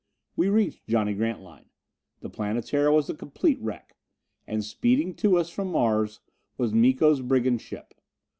We reached Johnny Grantline. The Planetara was a complete wreck. And, speeding to us from Mars, was Miko's brigand ship.